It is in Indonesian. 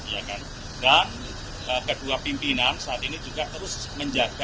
dan kedua pimpinan saat ini juga terus menjaga